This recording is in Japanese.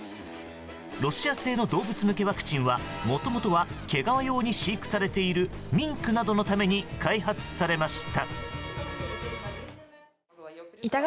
ロシア製の動物向けワクチンはもともとは毛皮用に飼育されているミンクなどのために開発されました。